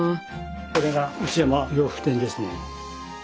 これが内山洋服店ですね。